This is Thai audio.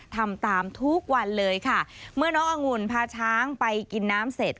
ทำตามทุกวันเลยค่ะเมื่อน้ององุ่นพาช้างไปกินน้ำเสร็จ